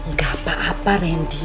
gak apa apa randy